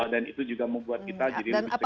dan itu juga membuat kita jadi lebih segala juga